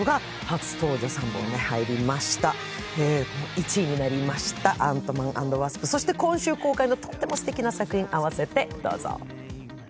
１位になりました「アントマン＆ワスプ」そして今週公開のとってもすてきな作品、併せてどうぞ。